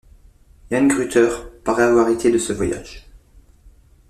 Jan Gruter parait avoir été de ce voyage.